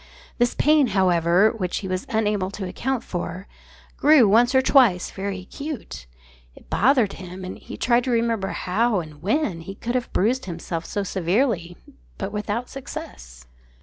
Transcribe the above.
This pain, however, which he was unable to account for, grew once or twice very acute. It bothered him; and he tried to remember how, and when, he could have bruised himself so severely, but without success.